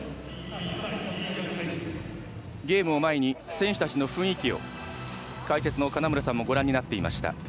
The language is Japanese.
ゲームを前に選手たちの雰囲気を解説の金村さんもご覧になっていました。